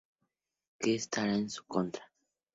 Que estará en su contra.